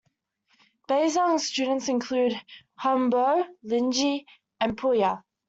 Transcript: Baizhang's students included Huangbo, Linji and Puhua.